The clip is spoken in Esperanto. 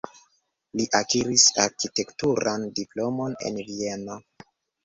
Li akiris arkitekturan diplomon en Vieno.